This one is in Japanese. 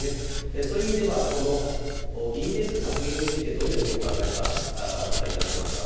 そういう意味では、この議員定数削減について、どのようにお考えか、お答えいただけますか。